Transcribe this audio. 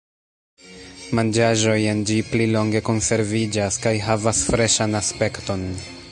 Manĝaĵoj en ĝi pli longe konserviĝas kaj havas freŝan aspekton.